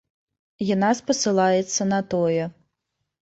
Яна спасылаецца на тое,.